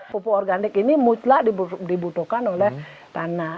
pupuk organik ini mutlak dibutuhkan oleh tanah